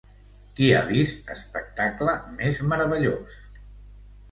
Qui ha vist espectacle més meravellós?